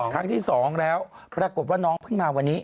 ครั้งที่๒แล้วปรากฏว่าน้องเพิ่งมาวันนี้